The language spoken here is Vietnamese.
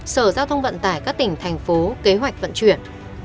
sở giao thông vận tải các tỉnh thành phố kế hoạch vận chuyển